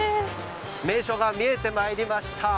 名所が見えてまいりました。